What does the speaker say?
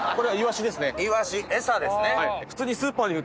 イワシ餌ですね。